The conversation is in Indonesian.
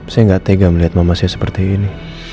saya nggak tega melihat mama saya seperti ini